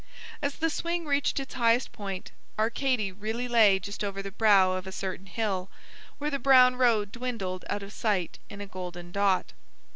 As the swing reached its highest point, Arcady really lay just over the brow of a certain hill, where the brown road dwindled out of sight in a golden dot.